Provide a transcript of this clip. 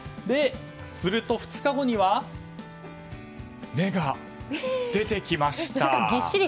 すると、２日後には芽が出てきました。